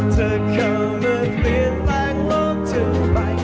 เธอเข้าเมื่อเปลี่ยนแรงโลกถึงไป